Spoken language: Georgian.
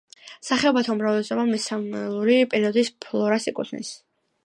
სახეობათა უმრავლესობა მესამეული პერიოდის ფლორას ეკუთვნის.